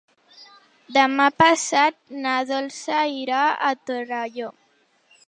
Demà passat na Dolça irà a Torelló.